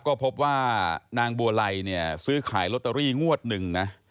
ก็พบว่านางบัวไลเนี่ยซื้อขายลอตเตอรี่งวดหนึ่งนะ